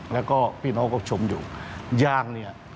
แล้วก็พี่น้องก็ชมอยู่ย่างเนี่ย